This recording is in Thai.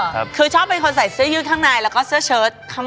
ซึ่งจะหากเป็นแบบว่าเป็นลงงานสีสัน